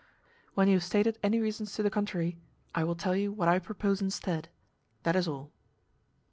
When you have stated any reasons to the contrary I will tell you what I propose instead. That is all."